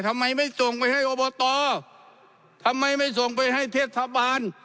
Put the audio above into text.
ทำไมไม่ส่งไปให้อบตทำไมไม่ส่งไปให้เทศบาล